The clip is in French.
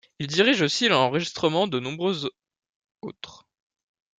Il dirige aussi l'enregistrement de nombreuses autres.